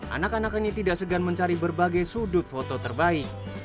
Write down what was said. anak anak ini tidak segan mencari berbagai sudut foto terbaik